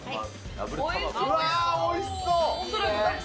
うわっ、おいしそう。